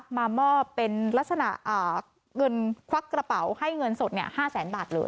มามอบเป็นลักษณะเงินควักกระเป๋าให้เงินสด๕แสนบาทเลย